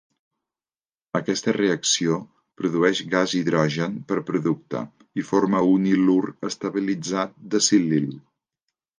Aquesta reacció produeix gas H per producte, i forma un ilur estabilitzat de silil.